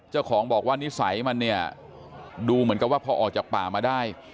เจ้าของบอกว่านิสัยมันเนี่ยดูเหมือนกับว่าพอออกจากป่ามาได้